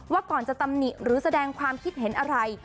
ก่อนจะตำหนิหรือแสดงความคิดเห็นอะไร